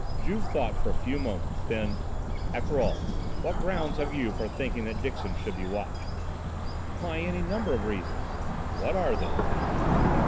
Juve thought for a few moments, then: "After all, what grounds have you for thinking that Dixon should be watched?" "Why, any number of reasons." "What are they?"